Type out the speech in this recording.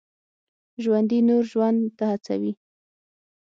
ژوندي نور ژوند ته هڅوي